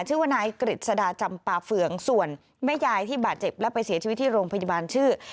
ชื่อว่านายกฤษดาจำปาเฟืองส่วนแม่ยายที่บาดเจ็บและไปเสียชีวิตที่โรงพยาบาลชื่อ